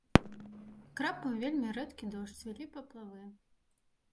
Крапаў вельмі рэдкі дождж, цвілі паплавы.